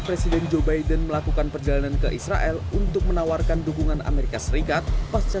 presiden joe biden melakukan perjalanan ke israel untuk menawarkan dukungan amerika serikat pasca